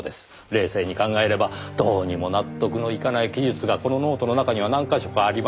冷静に考えればどうにも納得のいかない記述がこのノートの中には何か所かありました。